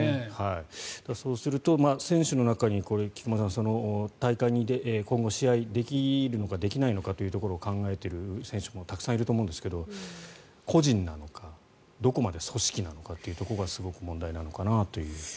そうすると選手の中に菊間さん大会に今後試合できるのかできないのかというところを考えている選手もたくさんいると思うんですが個人なのか、どこまで組織なのかというところがすごく問題なのかなという。